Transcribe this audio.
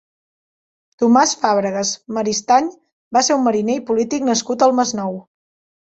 Tomàs Fàbregas Maristany va ser un mariner i polític nascut al Masnou.